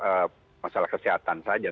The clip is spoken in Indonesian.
bukan masalah kesehatan saja